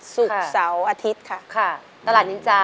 ศุกร์เสาร์อาทิตย์